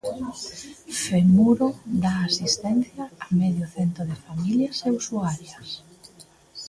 Femuro dá asistencia a medio cento de familias e usuarias.